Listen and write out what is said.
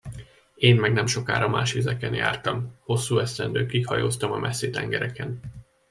Én meg nemsokára más vizeken jártam, hosszú esztendőkig hajóztam a messzi tengereken.